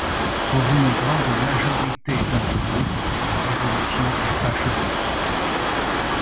Pour une grande majorité d’entre eux la Révolution est achevée.